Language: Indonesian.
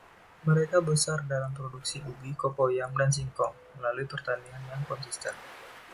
Mereka besar dalam produksi ubi, Cocoyam dan singkong melalui pertanian yang konsisten.